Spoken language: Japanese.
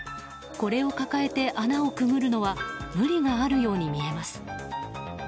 これを抱えて穴をくぐるのは無理があるように見えます。